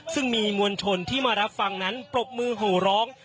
ซึ่งมีมวลชนที่มารับฟังนั้นปรบมือโหร้อง